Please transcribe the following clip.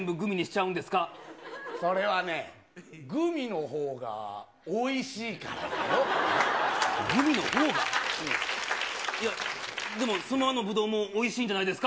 なんで、それはね、グミのほうがおいグミのほうが？いや、でも、そのブドウもおいしいんじゃないですか？